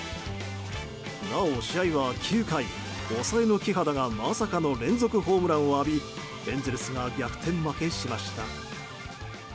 なお、試合は９回抑えのピッチャーがまさかの連続ホームランを浴びエンゼルスが逆転負けしました。